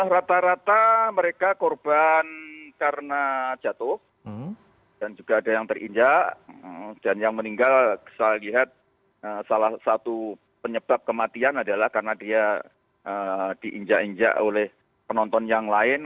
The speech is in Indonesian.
rata rata mereka korban karena jatuh dan juga ada yang terinjak dan yang meninggal saya lihat salah satu penyebab kematian adalah karena dia diinjak injak oleh penonton yang lain